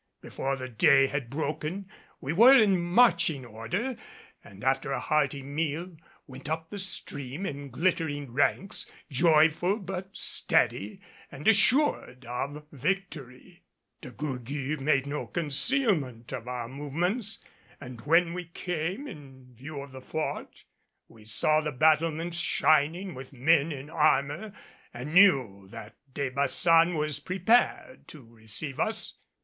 Before the day had broken we were in marching order and after a hearty meal went up the stream in glittering ranks, joyful but steady and assured of victory. De Gourgues made no concealment of our movements, and when we came in view of the Fort we saw the battlements shining with men in armor and knew that De Baçan was prepared to receive us.